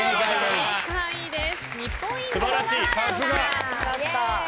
正解です。